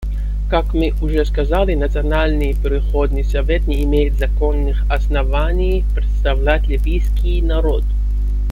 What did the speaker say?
Как мы уже сказали, Национальный переходный совет не имеет законных оснований представлять ливийский народ.